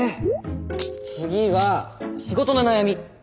次は仕事の悩み。